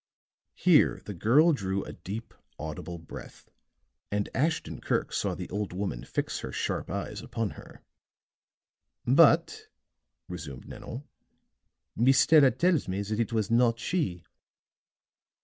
Here the girl drew a deep, audible breath, and Ashton Kirk saw the old woman fix her sharp eyes upon her. "But," resumed Nanon, "Miss Stella tells me that it was not she."